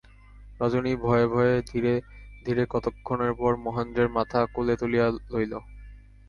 রজনী ভয়ে ভয়ে ধীরে ধীরে কতক্ষণের পর মহেন্দ্রের মাথা কোলে তুলিয়া লইল।